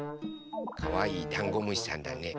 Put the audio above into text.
かわいいダンゴムシさんだね。